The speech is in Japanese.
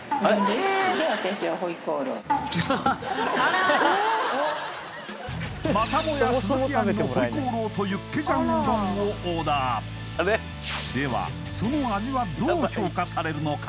じゃあ私は回鍋肉またもや鈴木亜美の回鍋肉とユッケジャンうどんをオーダーではその味はどう評価されるのか？